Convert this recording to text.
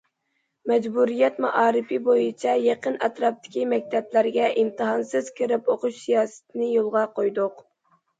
مەجبۇرىيەت مائارىپى بويىچە يېقىن ئەتراپتىكى مەكتەپلەرگە ئىمتىھانسىز كىرىپ ئوقۇش سىياسىتىنى يولغا قويدۇق.